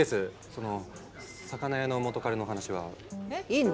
その魚屋の元彼のお話は。えいいの？